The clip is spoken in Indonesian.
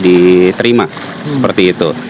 diterima seperti itu